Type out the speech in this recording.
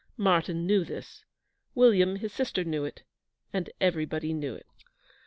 Martyn knew this; William, his sister, knew it; and everybody knew it.